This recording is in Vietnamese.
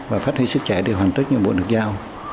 và phát huy sức trẻ để hoàn tất nhiệm vụ được giao